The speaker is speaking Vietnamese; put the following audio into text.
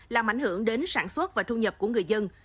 làm ảnh hưởng đến sản xuất và thu nhập của người dân